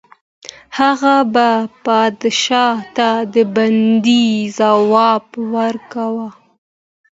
هغه به پادشاه ته د بندي ځواب ورکاوه.